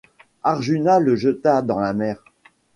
Arjuna le jeta dans la mer.